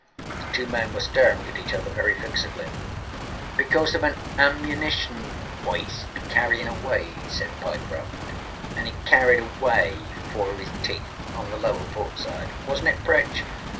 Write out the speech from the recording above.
The two men were staring at each other very fixedly. âBecause of an ammunition hoist carryinâ away,â said Pyecroft. âAnd it carried away four of âis teethâon the lower port side, wasnât it, Pritch?